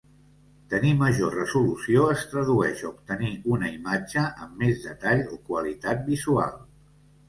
Tenir major resolució es tradueix a obtenir una imatge amb més detall o qualitat visual.